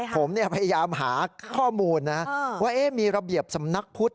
ผมพยายามหาข้อมูลนะว่ามีระเบียบสำนักพุทธ